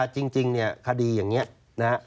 จริงเนี่ยคดีอย่างนี้นะฮะ